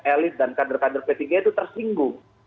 elit dan kader kader p tiga itu tersinggung